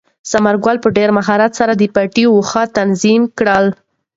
ثمر ګل په ډېر مهارت سره د پټي واښه تنظیم کړل.